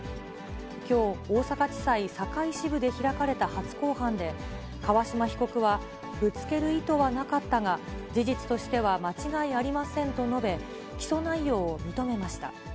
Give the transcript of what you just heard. きょう、大阪地裁堺支部で開かれた初公判で、川島被告は、ぶつける意図はなかったが、事実としては間違いありませんと述べ、起訴内容を認めました。